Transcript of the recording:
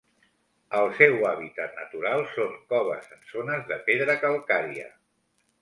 El seu hàbitat natural són coves en zones de pedra calcària.